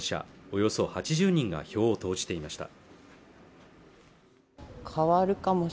およそ８０人が票を投じていました